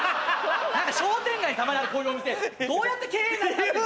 何か商店街にたまにあるこういうお店どうやって経営成り立ってんだ？